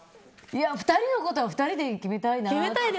２人のことは２人で決めたいなって。